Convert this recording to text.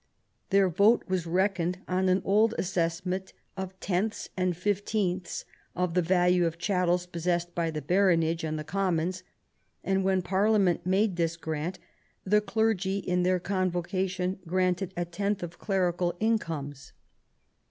Their vote was reckoned on an old assess ment of tenths and fifteenths of the value of chattels possessed by the baronage and the commons ; and when Parliament made this grant the clergy in their convoca tion granted a tenth of clerical incomes.